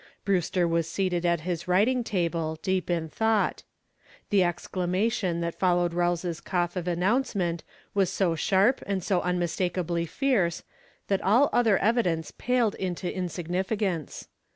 Brewster was seated at his writing table, deep in thought. The exclamation that followed Rawles's cough of announcement was so sharp and so unmistakably fierce that all other evidence paled into insignificance.